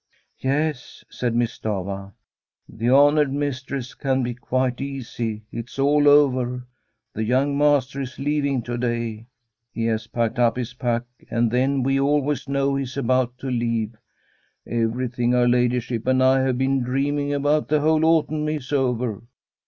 * Yes,' said Miss Stafva, ' the honoured mis tress can be quite easy. It is all over. The young master is leaving to day. He has packed up his pack, and then we always know he is about to leave. Everything her ladyship and I have been dreaming about the whole autumn is over.